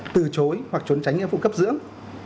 từ chối hoặc trốn tránh nghiệm phụ cấp dưỡng